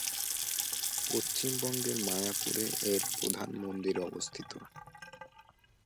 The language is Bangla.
পশ্চিমবঙ্গের মায়াপুরে এর প্রধান মন্দির অবস্থিত।